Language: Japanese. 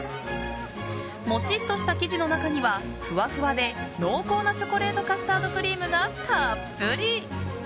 モチッとした生地の中にはふわふわで濃厚なチョコレートカスタードクリームがたっぷり！